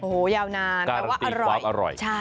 โอ้ยาวนานการัติความอร่อย